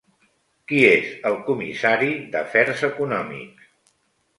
Qui és el comissari d'Afers Econòmics?